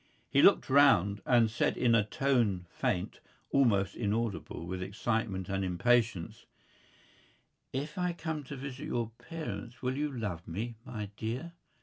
He looked round and said in a tone faint, almost inaudible with excitement and impatience: "If I come to visit your parents will you love me, my dear?"